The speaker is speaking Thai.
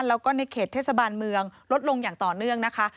แล้วก็ในเขตเทศบาลเมืองลดลงอย่างต่อเนื่องนะคะ